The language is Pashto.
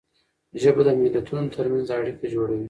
ژبه د ملتونو تر منځ اړیکه جوړوي.